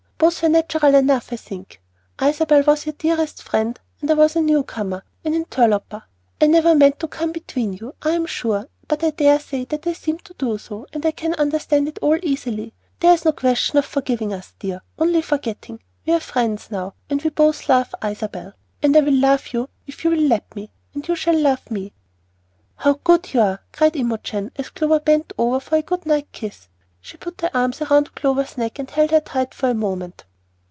Both were natural enough, I think. Isabel was your dearest friend; and I was a new comer, an interloper. I never meant to come between you, I am sure; but I daresay that I seemed to do so, and I can understand it all easily. There is no question of forgiving between us, dear, only of forgetting. We are friends now, and we will both love Isabel; and I will love you if you will let me, and you shall love me." "How good you are!" exclaimed Imogen, as Clover bent over for a good night kiss. She put her arms round Clover's neck and held her tight for a moment.